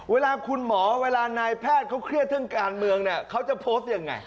เวลาคุณหมอเวลานายแพทย์เขาเครียดเรื่องการเมืองเนี่ยเขาจะโพสต์ยังไง